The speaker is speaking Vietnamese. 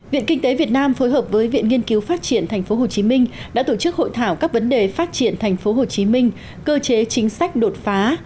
viện kinh tế việt nam phối hợp với viện nghiên cứu phát triển tp hcm đã tổ chức hội thảo các vấn đề phát triển tp hcm cơ chế chính sách đột phá